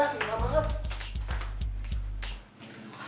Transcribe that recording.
kak edah kena banget